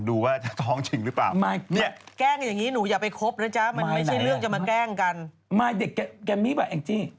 มายเก็บแต่ไม่แบบไอจี